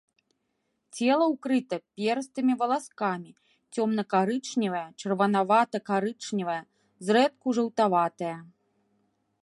Цела ўкрыта перыстымі валаскамі, цёмна-карычневае, чырванавата-карычневае, зрэдку жаўтаватае.